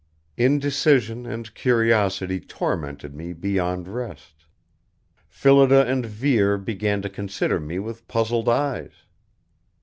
Indecision and curiosity tormented me beyond rest. Phillida and Vere began to consider me with puzzled eyes.